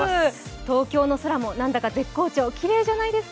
東京の空も何だか絶好調、きれいじゃないですか。